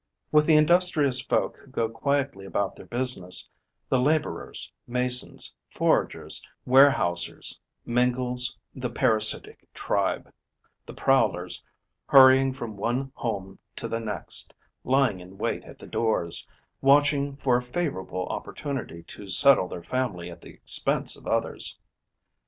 With the industrious folk who go quietly about their business, the labourers, masons, foragers, warehousers, mingles the parasitic tribe, the prowlers hurrying from one home to the next, lying in wait at the doors, watching for a favourable opportunity to settle their family at the expense of others.